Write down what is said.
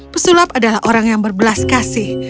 pesulap adalah orang yang berbelas kasih